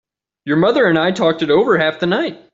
Your mother and I talked it over half the night.